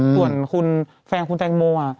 ส่วนแฟนคุณแจงโมอะ